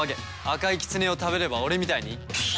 赤いきつねを食べれば俺みたいに。